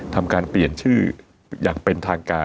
ทำการเปลี่ยนชื่ออย่างเป็นทางการ